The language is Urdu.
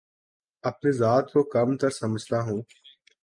اپنی ذات کو کم تر سمجھتا ہوں